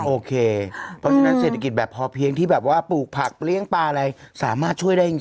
โอเคเพราะฉะนั้นเศรษฐกิจแบบพอเพียงที่แบบว่าปลูกผักเลี้ยงปลาอะไรสามารถช่วยได้จริง